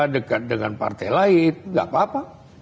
dekat dengan partai lain gak apa apa